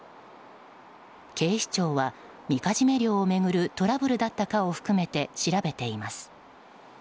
警視庁は、みかじめ料を巡るトラブルだったかを含め調べています。